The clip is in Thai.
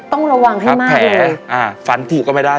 ต้องระวังให้มากเลยแผลฟันผูกก็ไม่ได้